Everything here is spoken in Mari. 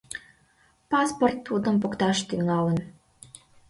Паспорт тудым покташ тӱҥалын.